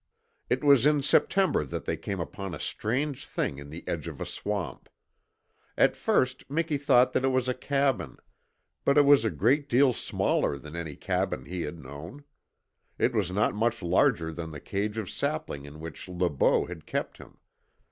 It was in September that they came upon a strange thing in the edge of a swamp. At first Miki thought that it was a cabin; but it was a great deal smaller than any cabin he had known. It was not much larger than the cage of saplings in which Le Beau had kept him.